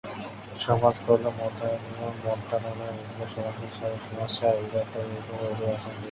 সমাজকল্যাণ মন্ত্রণালয়ের অধীনে সমাজসেবা অধিদফতর এই কর্মসূচি বাস্তবায়ন করে থাকে।